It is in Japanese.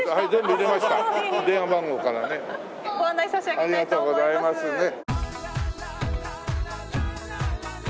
ありがとうございますね。